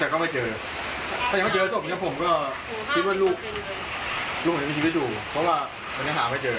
เพราะว่าไม่ได้หาพูดไปเจอเหรอ